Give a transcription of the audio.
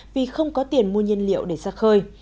vì không có tiền mua nhiên liệu để ra khơi